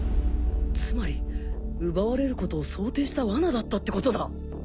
つまり奪われることを想定した罠だったってことだ